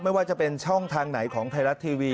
ไม่ว่าจะเป็นช่องทางไหนของไทยรัฐทีวี